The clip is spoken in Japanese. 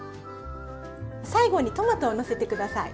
最後にトマトをのせて下さい。